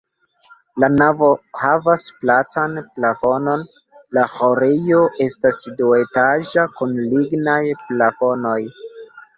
La navo havas platan plafonon, la ĥorejo estas duetaĝa kun lignaj plafonoj.